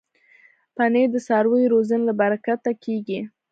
پنېر د څارویو روزنې له برکته کېږي.